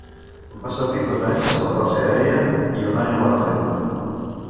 Va servir dos anys a la Força Aèria i un any a la reserva.